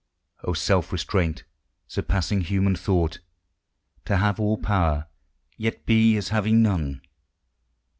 Oh, self restraint, surpassing human thought! To have all power, yet be as having none